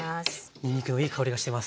にんにくのいい香りがしてます。